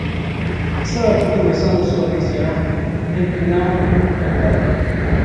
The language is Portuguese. recebo a perturbação da sua ocasião em que lhe não agrado